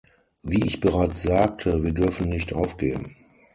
Wie ich bereits sagte, wir dürfen nicht aufgeben.